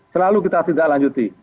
selalu kita tindaklanjuti